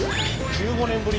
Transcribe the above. １５年ぶり！